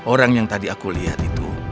orang yang tadi aku lihat itu